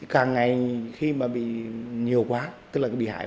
càng ngày khi mà bị nhiều quá tức là cái bị hại